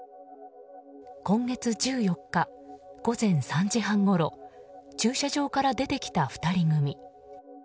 今月１４日、午前３時半ごろ駐車場から出てきた２人組。